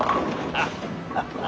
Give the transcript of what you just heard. ハッハハ。